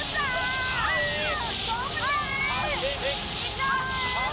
ครับค่า